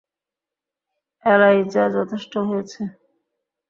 ELISA, যথেষ্ট হয়েছে!